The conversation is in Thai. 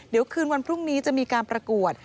เดี๋ยวคืนวันพรุ่งนี้จะมีการประกวด